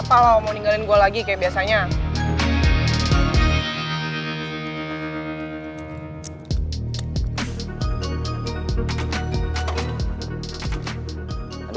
kenapa lah lo mau ninggalin gue lagi kayak biasanya